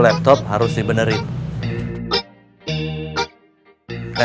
nanti masukin kopernya